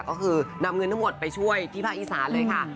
ก็คือนำเงินทั้งหมดไปช่วยที่ภาคอีสานเลยค่ะ